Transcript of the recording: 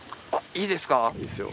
いいですよ